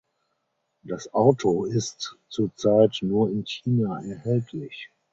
Das Auto ist (zur Zeit) nur in China erhältlich.